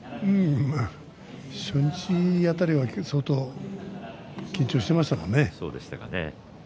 初日辺りは相当、緊張していましたからね。